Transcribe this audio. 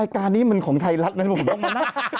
ไรการนี้มันของไทยรัฐนั้นผมโคมมาหนัด